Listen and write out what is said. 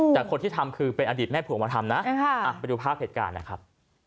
แต่คนที่ทำคือเป็นอดีตแม่ผัวมาทำนะไปดูภาพเหตุการณ์นะครับ